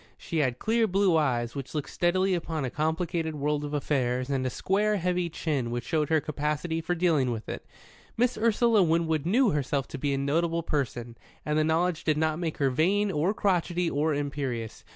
She had clear blue eyes which looked steadily upon a complicated world of affairs, and a square, heavy chin which showed her capacity for dealing with it. Miss Ursula Winwood knew herself to be a notable person, and the knowledge did not make her vain or crotchety or imperious.